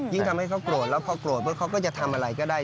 ทำให้เขาโกรธแล้วเขาโกรธปุ๊บเขาก็จะทำอะไรก็ได้